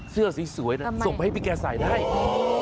เสื้อสีสวยส่งไว้ให้พี่แกใส่ได้โอ้